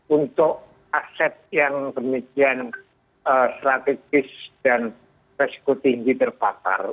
untuk aset yang demikian strategis dan resiko tinggi terpapar